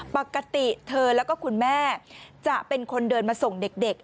ปกติเธอแล้วก็คุณแม่จะเป็นคนเดินมาส่งเด็ก